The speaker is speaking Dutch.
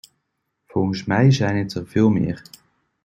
Volgens mij zijn het er veel meer.